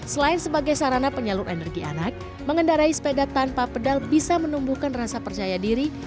selain sebagai sarana penyalur energi anak mengendarai sepeda tanpa pedal bisa menumbuhkan rasa percaya diri